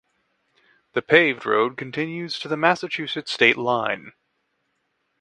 The paved road continues to the Massachusetts state line.